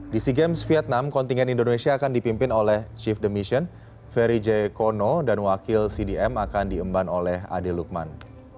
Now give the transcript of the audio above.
di sea games vietnam kontingen indonesia akan dipimpin oleh chief the mission ferry j kono dan wakil cdm akan diemban oleh ade lukman